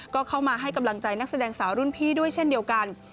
ก็เข้ามาให้กำลังใจนักแสดงสาวรุ่นพี่ด้วยเช่นเดียวกัน